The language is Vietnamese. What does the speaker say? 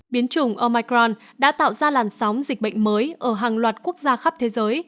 biến chủng omicron đã tạo ra làn sóng dịch bệnh mới ở hàng loạt quốc gia khắp thế giới